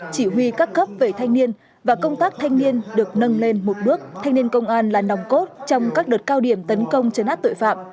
chỉ huy các cấp về thanh niên và công tác thanh niên được nâng lên một bước thanh niên công an là nòng cốt trong các đợt cao điểm tấn công chấn áp tội phạm